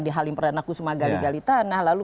di halimperanakusumagali galitanah lalu